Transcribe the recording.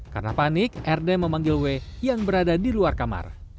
karena panik rd memanggil w yang berada di luar kamar